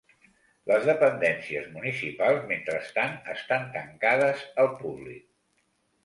Les dependències municipals, mentrestant, estan tancades al públic.